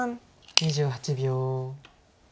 ２８秒。